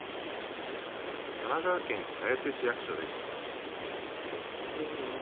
神奈川県綾瀬市役所です。